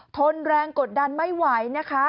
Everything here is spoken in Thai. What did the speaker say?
ทนแรงกดดันไม่ไหว